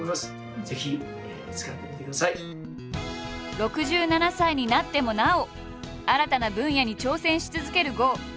６７歳になってもなお新たな分野に挑戦し続ける郷。